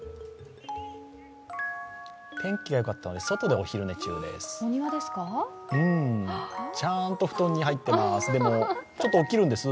天気がよかったんで外でお昼寝中です。